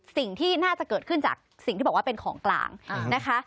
สิ่งที่น่าจะเกิดขึ้นจากสิ่งที่บอกว่าเป็นของกลางนะคะ